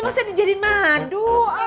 masa dia jadi madu